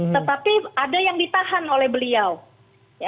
tetapi ada yang ditahan oleh beliau